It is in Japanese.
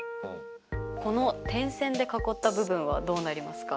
この点線で囲った部分はどうなりますか？